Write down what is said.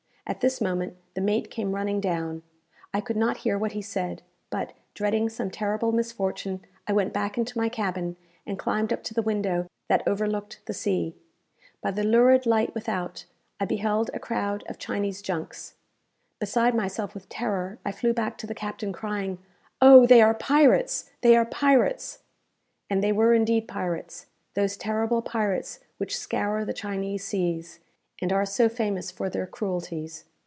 At this moment the mate came running down. I could not hear what he said, but, dreading some terrible misfortune, I went back into my cabin, and climbed up to the window that overlooked the sea. By the lurid light without, I beheld a crowd of Chinese junks. Beside myself with terror, I flew back to the captain, crying, "Oh, they are pirates! they are pirates!" And they were indeed pirates those terrible pirates which scour the Chinese seas, and are so famous for their cruelties.